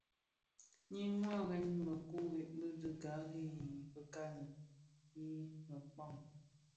Nyi waren bi měkure dhi gari yi fikali fi měkpa.